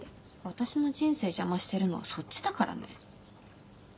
私の人生邪魔してるのはそっちだからね。